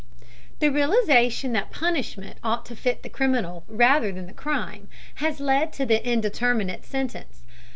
The realization that punishment ought to fit the criminal rather than the crime has led to the indeterminate sentence.